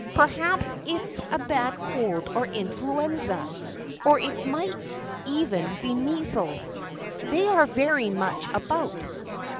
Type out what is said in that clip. Perhaps it is a bad cold or influenza, or it might even be measles they are very much about."